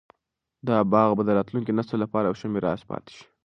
دا باغ به د راتلونکي نسل لپاره یو ښه میراث پاتې شي.